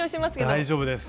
大丈夫です。